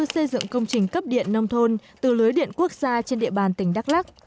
xây dựng công trình cấp điện nông thôn từ lưới điện quốc gia trên địa bàn tỉnh đắk lắc